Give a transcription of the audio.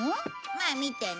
まあ見てな。